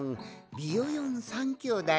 ビヨヨン３きょうだい？